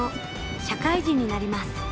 社会人になります。